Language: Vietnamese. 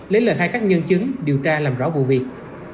lấy lời khai các nhân chứng điều tra làm rõ vụ việc